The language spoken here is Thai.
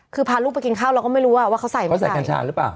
คือพาลูกไปกินข้าวเราก็ไม่รู้ว่าเขาใส่ไหมเขาใส่กัญชาหรือเปล่า